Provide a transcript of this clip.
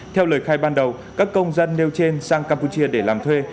theo lời khai ban đầu các công dân nêu trên sang campuchia để làm thuê